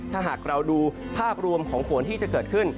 ถ้าหากเราดูภาพรวมของฝนที่จะเกิดขึ้น